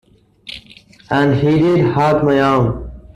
And he did hurt my arm.